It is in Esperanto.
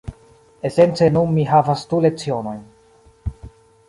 Esence nun mi havas du lecionojn.